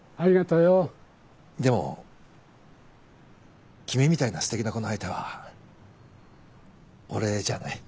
でも君みたいなすてきな子の相手は俺じゃない。